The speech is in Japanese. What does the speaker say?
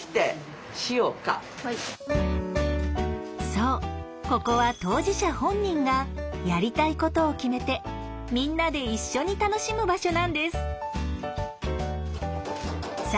そうここは当事者本人が“やりたいこと”を決めてみんなで一緒に楽しむ場所なんです。